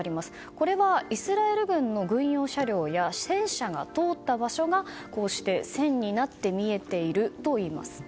これはイスラエル軍の軍用車両や戦車が通った場所が線になって見えているといいます。